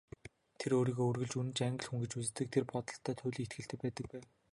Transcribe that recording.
Тэр өөрийгөө үргэлж үнэнч Англи хүн гэж үздэг, тэр бодолдоо туйлын итгэлтэй байдаг байв.